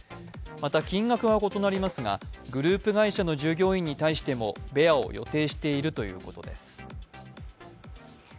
また金額は異なりますが、グループ会社の従業員に対してもベアを予定しているということです。